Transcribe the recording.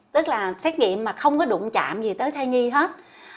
tức là xét nghiệm mà không có đụng chạm gì tới thai nhi hết